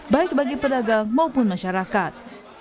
baik bagi pedagang maupun masyarakat